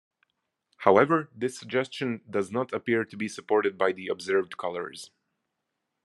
However, this suggestion does not appear to be supported by the observed colours.